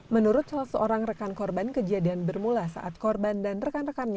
menurut salah seorang rekan korban kejadian bermula saat korban dan rekan rekannya